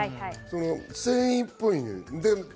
繊維っぽいのよ。